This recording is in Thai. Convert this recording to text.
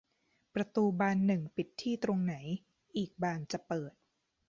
ประตูบานหนึ่งปิดที่ตรงไหน อีกบานจะเปิด